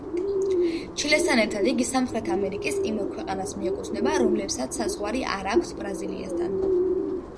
ჩილესთან ერთად იგი სამხრეთ ამერიკის იმ ორ ქვეყანას მიეკუთვნება, რომლებსაც საზღვარი არ აქვთ ბრაზილიასთან.